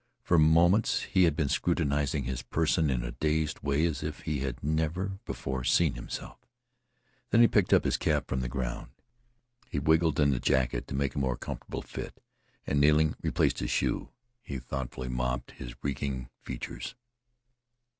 For moments he had been scrutinizing his person in a dazed way as if he had never before seen himself. Then he picked up his cap from the ground. He wriggled in his jacket to make a more comfortable fit, and kneeling relaced his shoe. He thoughtfully mopped his reeking features.